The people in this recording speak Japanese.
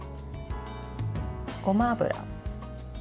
ごま油。